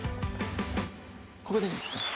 ここでいいんですか？